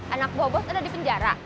anak buah bos ada di penjara